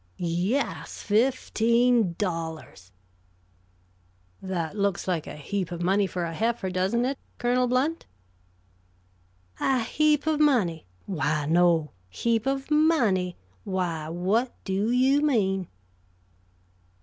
"Yes, fifteen dollars." "That looks like a heap of money for a heifer, doesn't it, Colonel Blount?" "A heap of money? Why, no. Heap of money? Why, what do you mean?"